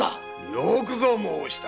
よくぞ申した。